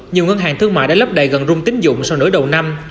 nhiều ngân hàng thương mại đã lấp đầy gần rung tín dụng sau nửa đầu năm